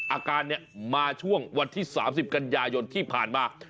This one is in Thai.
อาการเนี่ยมาช่วงวันที่๓๐กันยายนที่ผ่านมา